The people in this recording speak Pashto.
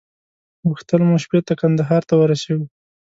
غوښتل مو شپې ته کندهار ته ورسېږو.